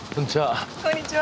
こんにちは。